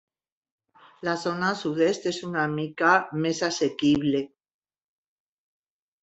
La zona sud-est és una mica més assequible.